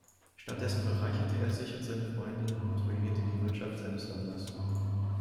Statt dessen bereicherte er sich und seine Freunde und ruinierte die Wirtschaft seines Landes.